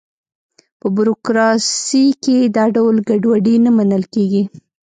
په بروکراسي کې دا ډول ګډوډي نه منل کېږي.